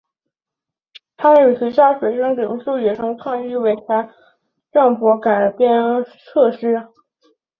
他与其他学生领袖也曾抗议查韦斯政府的改革措施。